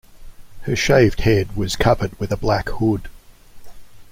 Her shaved head was covered with a black hood.